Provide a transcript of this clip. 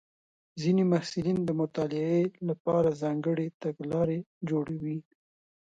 ځینې محصلین د مطالعې لپاره ځانګړې تګلارې جوړوي.